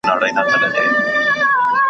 زه له سهاره د تکړښت لپاره ځم!.